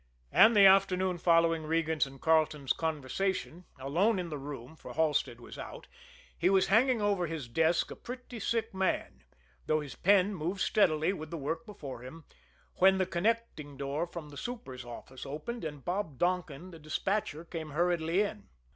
And the afternoon following Regan's and Carleton's conversation, alone in the room, for Halstead was out, he was hanging over his desk a pretty sick man, though his pen moved steadily with the work before him, when the connecting door from the super's office opened, and Bob Donkin, the despatcher, came hurriedly in.